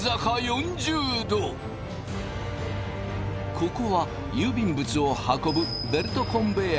ここは郵便物を運ぶベルトコンベヤー。